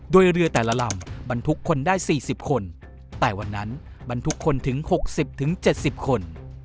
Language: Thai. โดยเรือแต่ละลำบรรทุกคนได้๔๐คนแต่วันนั้นบรรทุกคนถึง๖๐๗๐คน